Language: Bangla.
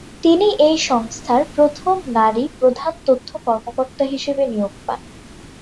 তিনি এ সংস্থার প্রথম নারী প্রধান তথ্য কর্মকর্তা হিসেবে নিয়োগ পান।